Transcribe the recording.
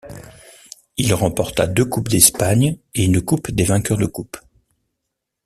Il remporta deux coupes d’Espagne et une Coupe des vainqueurs de coupes.